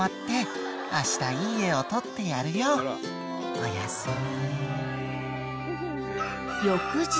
おやすみ。